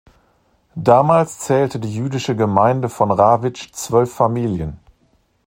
Damals zählte die jüdische Gemeinde von Rawitsch zwölf Familien.